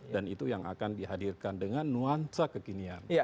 dan itu yang akan dihadirkan dengan nuansa kekinian